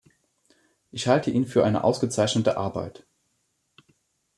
Ich halte ihn für eine ausgezeichnete Arbeit.